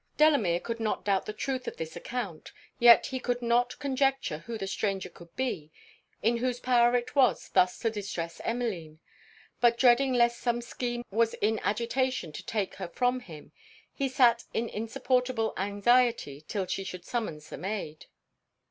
Delamere could not doubt the truth of this account; yet he could not conjecture who the stranger could be, in whose power it was thus to distress Emmeline. But dreading lest some scheme was in agitation to take her from him, he sat in insupportable anxiety 'till she should summons the maid.